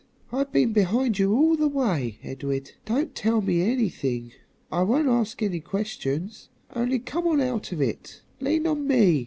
"I've been behind you all the way, Edred. Don't tell me anything. I won't ask any questions, only come along out of it. Lean on me."